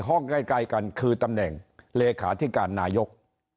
ใกล้กันคือตำแหน่งเลขาธิการนายก